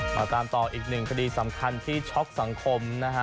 มาตามต่ออีกหนึ่งคดีสำคัญที่ช็อกสังคมนะฮะ